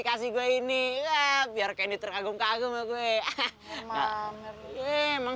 ken ken tolongin aku yuk